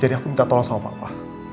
jadi aku minta tolong sama papa